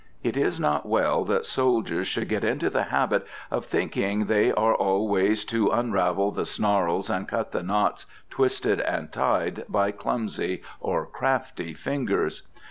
it is not well that soldiers should get into the habit of thinking they are always to unravel the snarls and cut the knots twisted and tied by clumsy or crafty fingers.